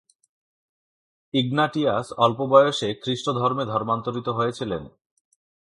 Ignatius অল্প বয়সে খ্রিস্টধর্মে ধর্মান্তরিত হয়েছিলেন।